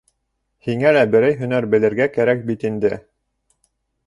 Һиңәлә берәй һөнәр белергә кәрәк бит инде.